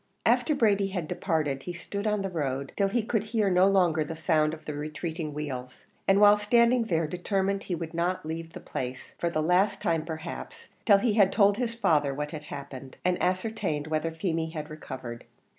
After Brady had departed he stood on the road, till he could hear no longer the sound of the retreating wheels, and while standing there determined he would not leave the place, for the last time perhaps, till he had told his father what had happened, and ascertained whether Feemy had recovered.